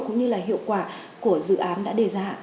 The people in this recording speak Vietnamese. cũng như là hiệu quả của dự án đã đề ra